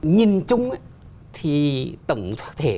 nhìn chung thì tổng thức thể